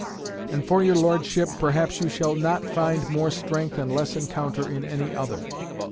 And for your Lordship, perhaps you shall not find more strength and less encounter in any other.